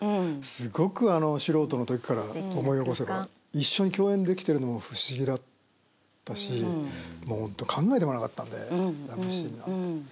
すごく素人のときから思い起こせば、一緒に共演できてるのも不思議だったし、もう本当、考えてもなかったので、ラブシーンなんて。